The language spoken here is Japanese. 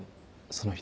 その人。